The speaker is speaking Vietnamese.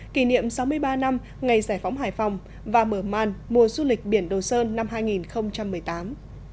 kỷ niệm sáu mươi ba năm ngày giải phóng hải phòng và mở màn mùa du lịch biển đồ sơn năm hai nghìn một mươi tám